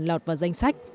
lọt vào danh sách